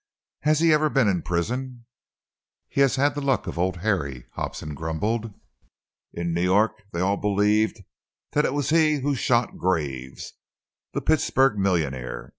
"Has he ever been in prison?" "He has had the luck of Old Harry," Hobson grumbled. "In New York they all believed that it was he who shot Graves, the Pittsburg millionaire.